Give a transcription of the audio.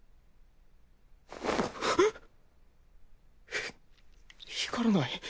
ひっ光らない。